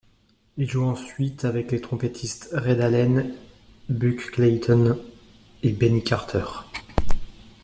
Il joue ensuite avec les trompettistes Red Allen, Buck Clayton et Benny Carter.